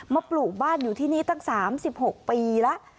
ปลูกบ้านอยู่ที่นี่ตั้ง๓๖ปีแล้ว